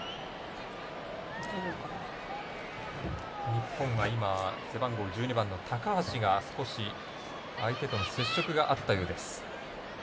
日本は今、背番号１２番の高橋が、少し相手と接触があったようです。